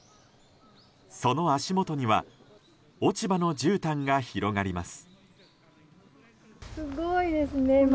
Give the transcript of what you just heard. その足元には、落ち葉のじゅうたんが広がります。